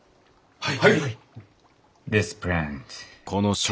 はい！